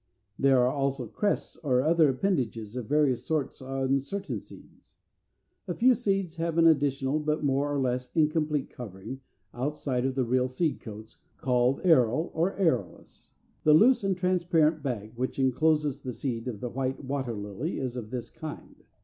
There are also crests or other appendages of various sorts on certain seeds. A few seeds have an additional, but more or less incomplete covering, outside of the real seed coats called an 383. =Aril, or Arillus.= The loose and transparent bag which encloses the seed of the White Water Lily (Fig. 418) is of this kind.